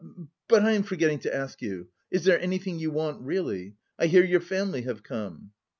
But I am forgetting to ask you, is there anything you want really? I hear your family have come?"